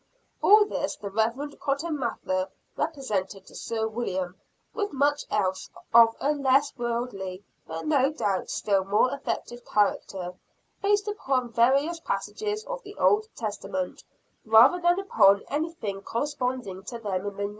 All this the Reverend Cotton Mather represented to Sir William, with much else of a less worldly, but no doubt still more effective character, based upon various passages of the old Testament rather than upon anything corresponding to them in the New.